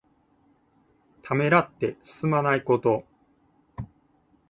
ためらって進まないこと。